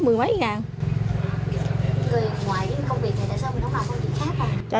người ngoại công việc này tại sao không làm công việc khác à